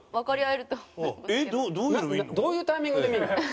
どういうタイミングで見るの？